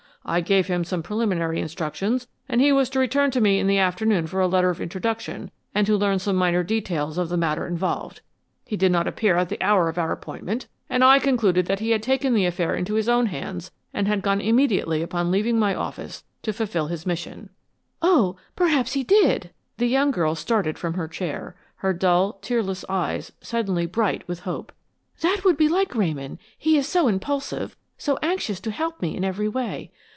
I gave him some preliminary instructions and he was to return to me in the afternoon for a letter of introduction and to learn some minor details of the matter involved. He did not appear at the hour of our appointment and I concluded that he had taken the affair into his own hands and had gone immediately upon leaving my office to fulfill his mission." "Oh, perhaps he did!" The young girl started from her chair, her dull, tearless eyes suddenly bright with hope. "That would be like Ramon; he is so impulsive, so anxious to help me in every way!